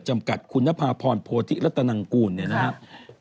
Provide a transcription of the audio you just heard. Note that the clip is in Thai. จำกัดคุณนภาพรโพธิรัตนังกูลเนี่ยนะครับ